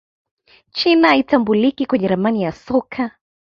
china haitambuliki kwenye ramani ya soka